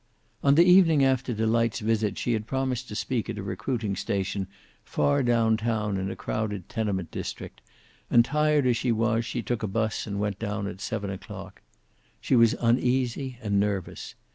On the evening after Delight's visit, she had promised to speak at a recruiting station far down town in a crowded tenement district, and tired as she was, she took a bus and went down at seven o'clock. She was uneasy and nervous.